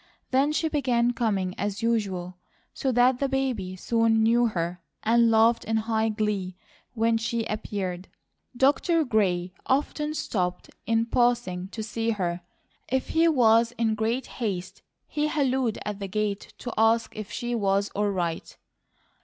Then she began coming as usual, so that the baby soon knew her and laughed in high glee when she appeared. Dr. Gray often stopped in passing to see her; if he was in great haste, he hallooed at the gate to ask if she was all right.